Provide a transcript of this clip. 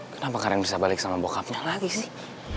kenapa karin bisa balik sama bokapnya lagi sih